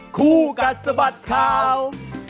คู่กัดสะบัดข่าว